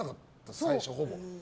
最初、ほぼ。